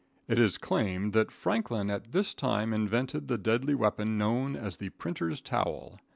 It is claimed that Franklin at this time invented the deadly weapon known as the printer's towel.